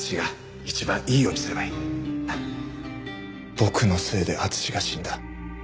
僕のせいで敦が死んだ。